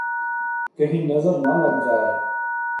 !کہیں نظر نہ لگ جائے